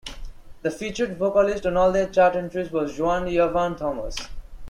The featured vocalist on all their chart entries was Joanne "Yavahn" Thomas.